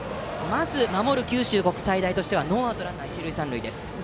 まず守る九州国際大付属としてはノーアウト一塁三塁です。